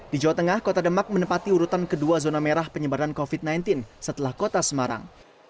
di jawa tengah kota demak menempati urutan kedua zona merah penyebaran covid sembilan belas setelah kota semarang